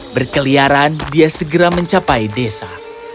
berkeliaran dia segera mencapai desa